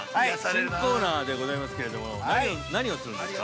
新コーナーでございますけれども、何をするんですか？